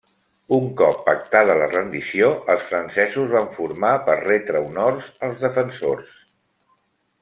Un cop pactada la rendició, els francesos van formar per retre honors als defensors.